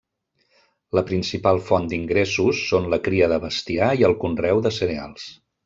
La principal font d’ingressos són la cria de bestiar i el conreu de cereals.